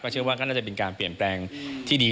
เชื่อว่าก็น่าจะเป็นการเปลี่ยนแปลงที่ดี